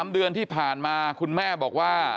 ๓เดือนที่ผ่านมาคุณแม่บอกว่า